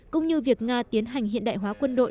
cũng như việc nga tiến hành hiện đại hóa quân đội